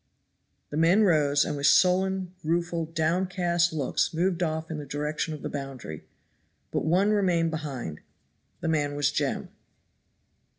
The men rose, and with sullen, rueful, downcast looks moved off in the direction of the boundary; but one remained behind, the man was Jem.